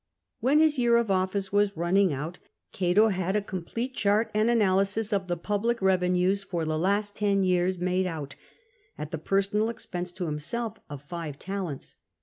When his year of office was running out, Cato had a complete chart and analysis of the public revenues for the last ten years made out, at the personal expense to him self of five talents.